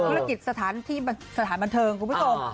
ธุรกิจสถานที่สถานบันเทิงคุณผู้ชม